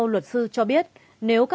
luật sư nêu rõ